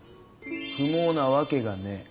不毛なわけがねえ。